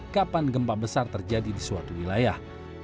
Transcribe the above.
kapan gempa besar terjadi di suatu wilayah